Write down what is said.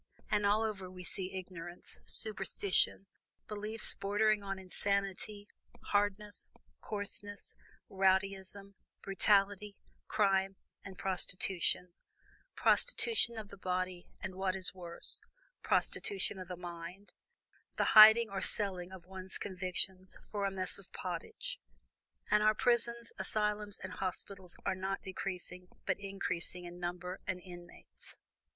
And all over we see ignorance, superstition, beliefs bordering on insanity, hardness, coarseness, rowdyism, brutality, crime and prostitution; prostitution of the body, and what is worse, prostitution of the mind, the hiding or selling of one's convictions for a mess of pottage. And our prisons, asylums, and hospitals are not decreasing, but increasing in number and inmates.